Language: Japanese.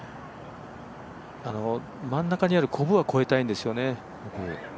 真ん中にあるこぶは越えたいんですね。